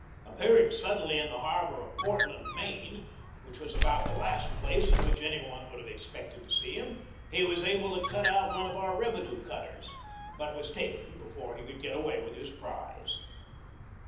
Appear ing suddenly in the harbor of Portland, Maine, which 76 GEORGE DEWEY was about the last place in which any one would have expected to see him, he was able to cut out one of our revenue cutters, but was taken before he could get away with his prize.